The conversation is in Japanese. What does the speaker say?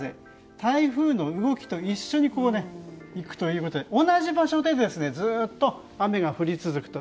台風の動きと一緒に行くということで同じ場所でずっと雨が降り続くと。